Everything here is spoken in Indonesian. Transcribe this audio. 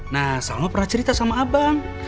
nah sama pernah cerita sama abang